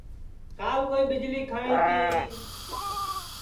کال کوئی ٻیݪی کھنٚوی تی